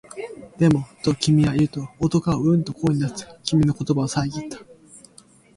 でも、と君は言うと、男がううんと声に出して、君の言葉をさえぎった